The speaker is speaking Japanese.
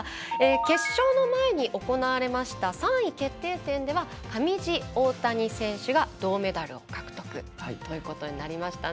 決勝の前に行われました３位決定戦では上地、大谷選手が銅メダルを獲得ということになりました。